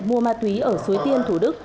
mua ma túy ở suối tiên thủ đức